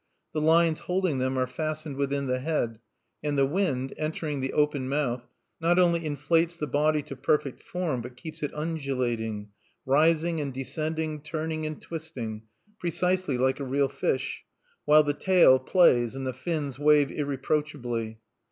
The lines holding them are fastened within the head; and the wind, entering the open mouth, not only inflates the body to perfect form, but keeps it undulating, rising and descending, turning and twisting, precisely like a real fish, while the tail plays and the fins wave irreproachably.